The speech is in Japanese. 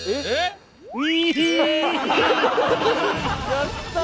やったー！